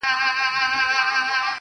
o کنې دوى دواړي ويدېږي ورځ تېرېږي.